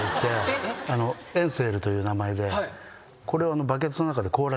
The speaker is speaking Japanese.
エンスウェルという名前でこれを。